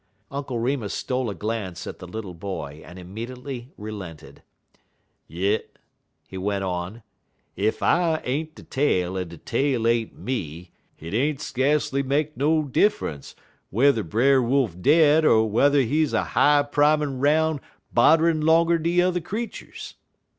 Uncle Remus stole a glance at the little boy, and immediately relented. "Yit," he went on, "ef I'm ain't de tale en de tale ain't me, hit ain't skacely make no diffunce whe'er Brer Wolf dead er whe'er he's a high primin' 'roun' bodder'n 'longer de yuther creeturs.